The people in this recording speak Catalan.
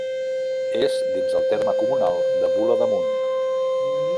És dins el terme comunal de Bula d'Amunt.